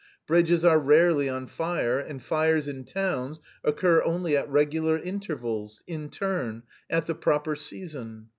Bridges are rarely on fire, and fires in towns occur only at regular intervals, in turn, at the proper season.